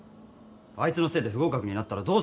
あいつのせいで不合格になったらどうすんだよ。